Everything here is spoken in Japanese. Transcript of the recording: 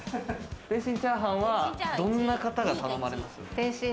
天津チャーハンは、どんな方が頼まれます？